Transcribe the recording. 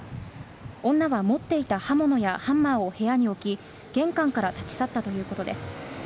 女は持っていた刃物やハンマーを部屋に置き玄関から立ち去ったということです。